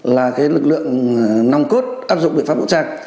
là lực lượng nòng cốt áp dụng biện pháp vũ trang